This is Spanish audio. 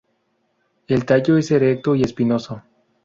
El tallo es erecto y espinoso.